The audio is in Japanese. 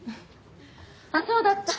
あらそうだった？